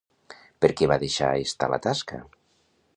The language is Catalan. Per què va deixar estar la tasca?